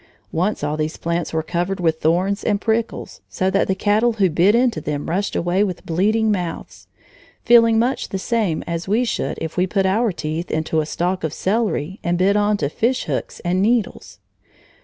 Once all these plants were covered with thorns and prickles, so that the cattle who bit into them rushed away with bleeding mouths, feeling much the same as we should if we put our teeth into a stalk of celery and bit on to fish hooks and needles.